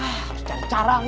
harus cari cara nih